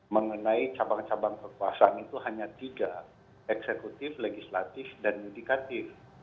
mengenai cabang cabang kekuasaan itu hanya tiga eksekutif legislatif dan yudikatif